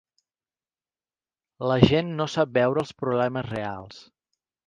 La gent no sap veure els problemes reals.